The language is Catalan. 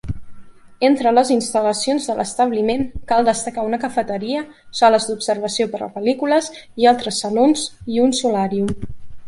Entre les instal·lacions de l'establiment, cal destacar una cafeteria, sales d'observació per a pel·lícules i altres salons i un solàrium.